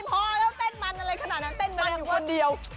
พอแล้วเต้นมันอะไรขนาดนั้นเต้นมันอยู่คนเดียว